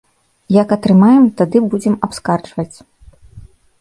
Як атрымаем, тады будзем абскарджваць.